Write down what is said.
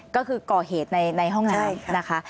ก็คือก่อเหตุในห้องน้ำนะคะ